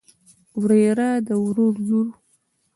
وريره د ورور لور.